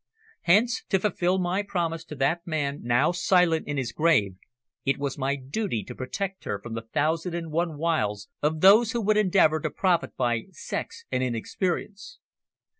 Hence, to fulfil my promise to that man now silent in his grave, it was my duty to protect her from the thousand and one wiles of those who would endeavour to profit by sex and inexperience.